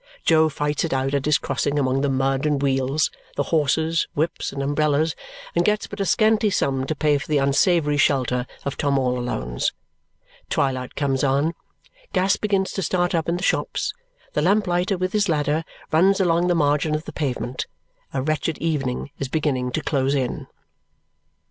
Jo fights it out at his crossing among the mud and wheels, the horses, whips, and umbrellas, and gets but a scanty sum to pay for the unsavoury shelter of Tom all Alone's. Twilight comes on; gas begins to start up in the shops; the lamplighter, with his ladder, runs along the margin of the pavement. A wretched evening is beginning to close in.